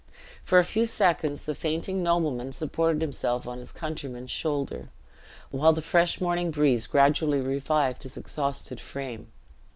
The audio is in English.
For a few seconds the fainting nobleman supported himself on his countryman's shoulder, while the fresh morning breeze gradually revived his exhausted frame.